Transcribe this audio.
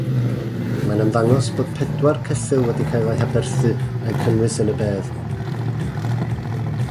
Mae'n ymddangos bod pedwar ceffyl wedi cael eu haberthu a'u cynnwys yn y bedd.